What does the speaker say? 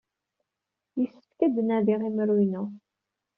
Yessefk ad d-nadiɣ imru-inu.